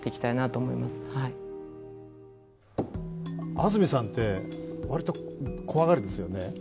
安住さんってわりと怖がりですよね。